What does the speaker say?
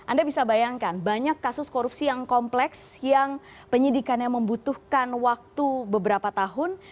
anda bisa bayangkan banyak kasus korupsi yang kompleks yang penyidikannya membutuhkan waktu beberapa tahun